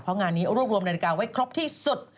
เพราะงานนี้รวบรวมนาฬิกาไว้ครบที่สุด